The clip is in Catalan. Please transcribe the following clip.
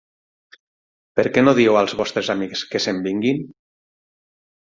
Per què no dieu als vostres amics que se'n vinguin?